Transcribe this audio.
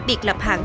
biệt lập hẳn